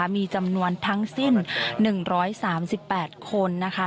มีจำนวนทั้งสิ้น๑๓๘คนนะคะ